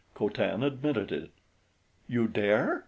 Co Tan admitted it. "You dare?"